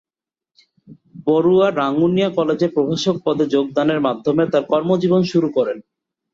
বড়ুয়া রাঙ্গুনিয়া কলেজে প্রভাষক পদে যোগদানের মাধ্যমে তার কর্মজীবন শুরু করেন।